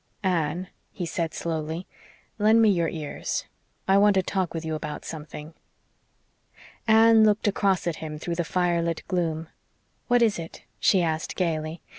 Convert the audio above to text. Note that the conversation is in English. "Anne," he said slowly, "lend me your ears. I want to talk with you about something." Anne looked across at him through the fire lit gloom. "What is it?" she asked gaily.